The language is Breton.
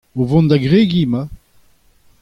o vont da gregiñ emañ.